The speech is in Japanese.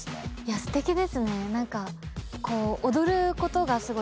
すてきですね。